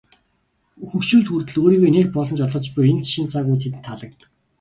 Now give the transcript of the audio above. Хөгшчүүлд хүртэл өөрийгөө нээх боломж олгож буй энэ шинэ цаг үе тэдэнд таалагддаг.